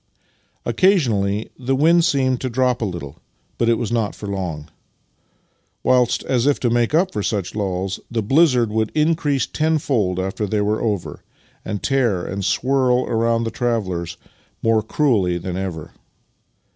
Occasionally the wind seemed to drop a little, but it was not for long; whilst, as if to m.ake up for such lulls, the blizzard would increase ten fold after they were over, and tear and swirl around the travellers more cruelly than ever.